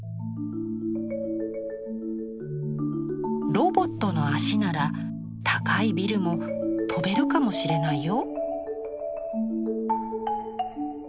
「ロボットの足なら高いビルも飛べるかもしれないよ」。